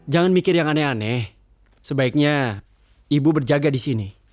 jangan mikir yang aneh aneh sebaiknya ibu berjaga di sini